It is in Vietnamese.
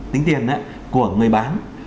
tính tiền của người bán